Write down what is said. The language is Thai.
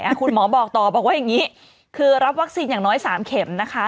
คุณหมอบอกต่อบอกว่าอย่างนี้คือรับวัคซีนอย่างน้อย๓เข็มนะคะ